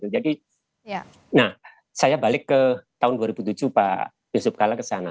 jadi saya balik ke tahun dua ribu tujuh pak yusuf kalla ke sana